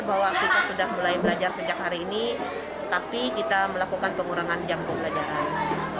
bahwa kita sudah mulai belajar sejak hari ini tapi kita melakukan pengurangan jam pembelajaran